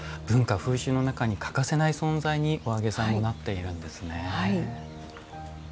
文化風習の中に欠かせない存在にお揚げさんもなっているんですね。